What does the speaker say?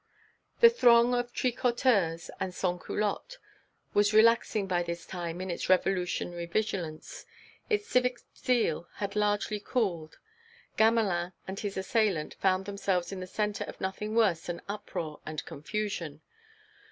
The throng of tricoteuses and sansculottes was relaxing by this time in its Revolutionary vigilance; its civic zeal had largely cooled; Gamelin and his assailant found themselves the centre of nothing worse than uproar and confusion.